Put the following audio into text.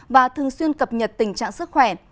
và thường xuyên cập nhật tình trạng sức khỏe